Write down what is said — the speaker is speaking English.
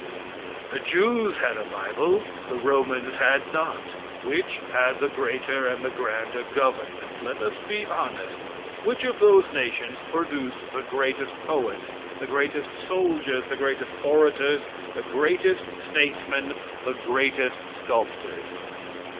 Um! The Jews had a bible; the Romans had not. Which had the greater and the grander government? Let us be honest. Which of those nations produced the greatest poets, the greatest soldiers, the greatest orators, the greatest statesmen, the greatest sculptors?